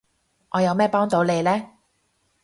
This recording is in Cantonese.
我有咩幫到你呢？